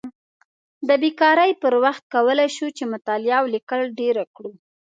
د بیکارۍ پر وخت کولی شو چې مطالعه او لیکل ډېر کړو.